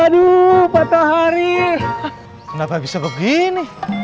aduh patah hari kenapa bisa begini